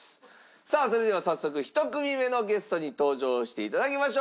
さあそれでは早速１組目のゲストに登場していただきましょう。